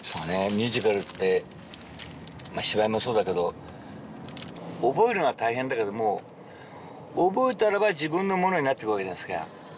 ミュージカルってまぁ芝居もそうだけど覚えるのが大変だけどもう覚えたらば自分のものになっていくわけじゃないですか